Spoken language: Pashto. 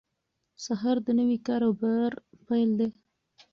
سهار د نوي کار او بار پیل دی.